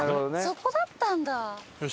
そこだったんだ。